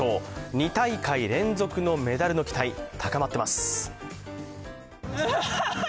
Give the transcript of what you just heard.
２大会連続のメダルの期待高まっています。